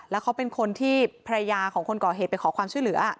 แล้วเขาเป็นคนที่ภรรยาของคนก่อเหตุไปขอความช่วยเหลือ